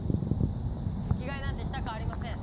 席替えなんてしたくありません！